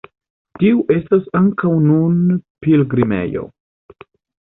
Tiu estas ankaŭ nun pilgrimejo.